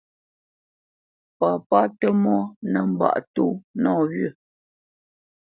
Papá Tə́mɔ́ nə́ mbâʼ tó nɔwyə́.